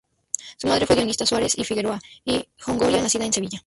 Su madre fue Dionisia Suárez de Figueroa y Góngora, nacida en Sevilla.